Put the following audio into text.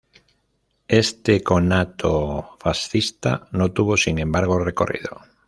Este conato fascista no tuvo sin embargo recorrido.